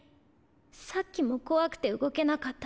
さっきも怖くて動けなかったし。